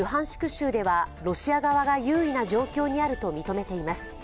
州ではロシア側が優位な状況にあると認めています。